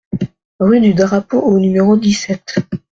Rue du Drapeau au numéro dix-sept